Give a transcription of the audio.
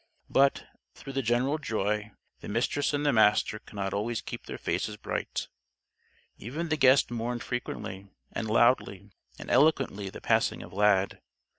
But, through the general joy, the Mistress and the Master could not always keep their faces bright. Even the guest mourned frequently, and loudly, and eloquently the passing of Lad.